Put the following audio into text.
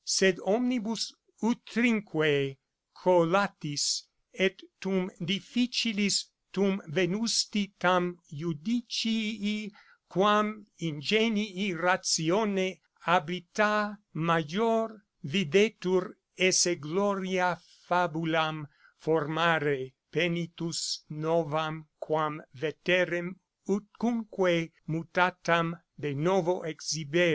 Sed omnibus utrinque collatis, et tum difficilis, tum venusti, tam judicii quam ingenii ratione habitá, major videtur esse gloria fabulam formare penitùs novam, quàm veterem, utcunque mutatam, de novo exhibere_.